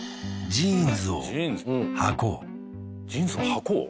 「ジーンズを穿こう」？